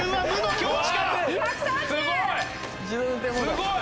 すごい！